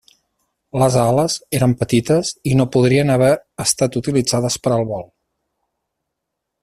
Les ales eren petites i no podrien haver estat utilitzades per al vol.